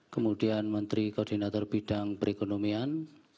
kemudian menteri koordinator bidang perekonomian